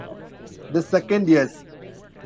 The second, Yes!